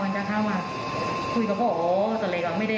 เด็กจะเข้าไปคือโอ้เฉยเพราะนั่นเลย